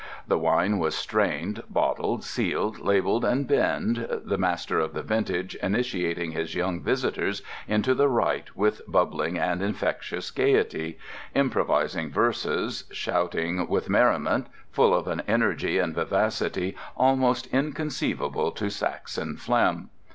The wine was strained, bottled, sealed, labelled, and binned, the master of the vintage initiating his young visitors into the rite with bubbling and infectious gaiety—improvising verses, shouting with merriment, full of an energy and vivacity almost inconceivable to Saxon phlegm.